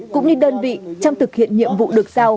cũng như đơn vị trong thực hiện nhiệm vụ được giao